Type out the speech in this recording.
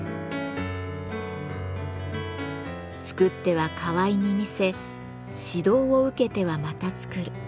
作っては河井に見せ指導を受けてはまた作る。